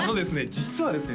実はですね